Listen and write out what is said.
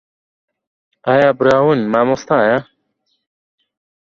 ئایا براون مامۆستایە؟